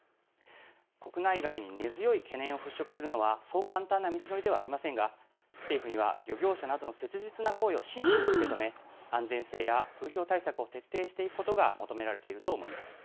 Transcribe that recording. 国内外に根強い懸念を払拭するのは、そう簡単な道のりではありませんが、政府には漁業者などの切実な声を真摯に受け止め、安全性や風評対策を徹底していくことが求め